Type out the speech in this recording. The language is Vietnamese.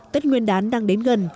tết nguyên đán đang đến gần